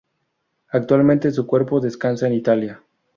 Actualmente su cuerpo descansa en Italia.